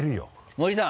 森さん。